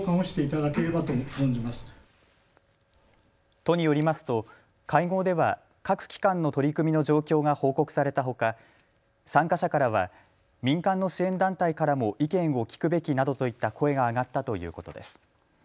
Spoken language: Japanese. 都によりますと会合では各機関の取り組みの状況が報告されたほか、参加者からは民間の支援団体からも意見を聞くべきなどといった声が上がったということです。